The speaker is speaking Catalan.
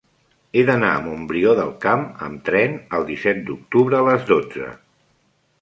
He d'anar a Montbrió del Camp amb tren el disset d'octubre a les dotze.